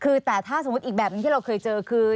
คือแต่ถ้าสมมุติอีกแบบหนึ่งที่เราเคยเจอคือ